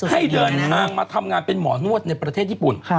ให้เดินทางมาทำงานเป็นหมอนวดในประเทศญี่ปุ่น